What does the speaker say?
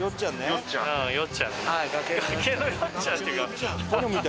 よっちゃんね。